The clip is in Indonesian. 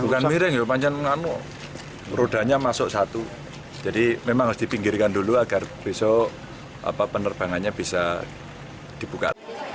bukan miring rodanya masuk satu jadi memang harus dipinggirkan dulu agar besok penerbangannya bisa dibuka